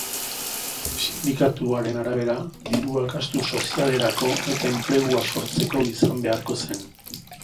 Sindikatuaren arabera, dirua gastu sozialerako eta enplegua sortzeko izan beharko zen.